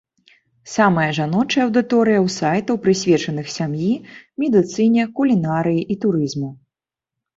Самая жаночая аўдыторыя ў сайтаў, прысвечаных сям'і, медыцыне, кулінарыі і турызму.